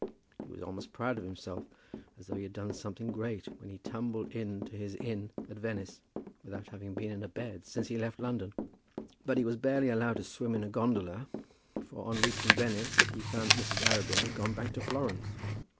He was almost proud of himself, as though he had done something great, when he tumbled in to his inn at Venice, without having been in a bed since he left London. But he was barely allowed to swim in a gondola, for on reaching Venice he found that Mrs. Arabin had gone back to Florence.